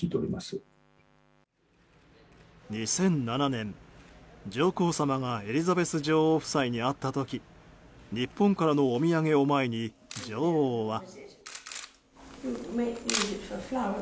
２００７年、上皇さまがエリザベス女王夫妻に会った時日本からのお土産を前に女王は。